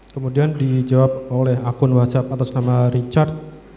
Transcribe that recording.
kemudian dijawab oleh akun whatsapp atas nama richard